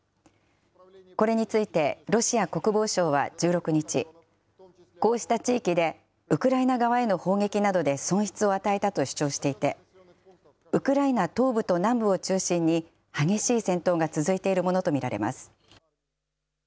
これについて、ロシア国防省は１６日、こうした地域でウクライナ側への砲撃などで損失を与えたと主張していて、ウクライナ東部と南部を中心に、激しい戦闘が続いているものと見られます。